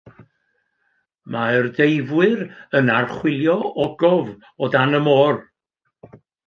Mae'r deifwyr yn archwilio ogof o dan y môr.